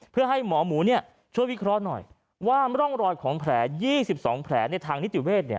เพื่อให้หมอหมูช่วยวิเคราะห์หน่อยว่าร่องรอยของแผล๒๒แผลในทางนิติเวศ